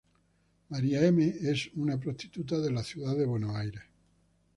María M. es una prostituta de la Ciudad de Buenos Aires.